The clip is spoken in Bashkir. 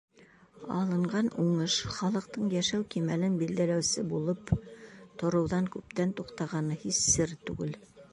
Алынған уңыш халыҡтың йәшәү кимәлен билдәләүсе булып тороуҙан күптән туҡтағаны һис сер түгел.